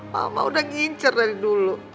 mama udah ngincer dari dulu